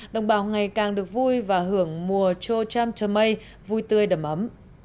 đồng bào ngày càng được vui và hưởng mùa cho cham tramay vui tươi đầm ấm